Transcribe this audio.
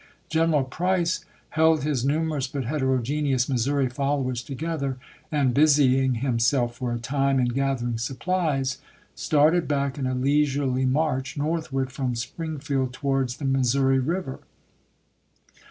General Price held his numerous but heterogeneous Missouri followers together, and, busying himself for a time in gathering supplies, started back in a leisurely march northward from Springfield to wards the Missouri River.